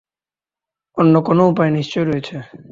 অন্য কোনো উপায় নিশ্চয়ই রয়েছে!